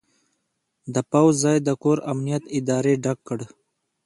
د پوځ ځای د کور امنیت ادارې ډک کړ.